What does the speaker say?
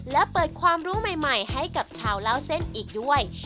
และเปิดความรู้ใหม่ให้กับชาวเล่าเส้นอีกด้วย